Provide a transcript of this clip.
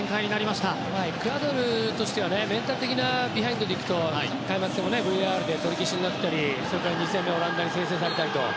まあ、エクアドルとしてはメンタル的なビハインドでいくと開幕戦もＶＡＲで取り消しになったり２戦目でオランダに先制されたりと。